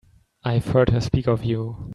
I've heard her speak of you.